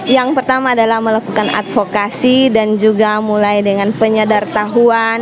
yang pertama adalah melakukan advokasi dan juga mulai dengan penyadar tahuan